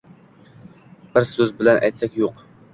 Bir so'z bilan aytsak, yo'q.